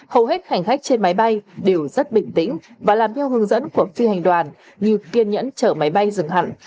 hầu hết hành khách trên máy bay đều rất bình tĩnh và làm theo hướng dẫn của phi hành đoàn như kiên nhẫn chở máy bay dừng hẳn